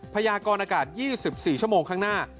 พยากรอากาศ๒๔ชั่วโมงข้างหน้า